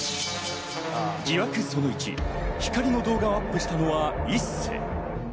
疑惑その１、光莉の動画をアップしたのは一星。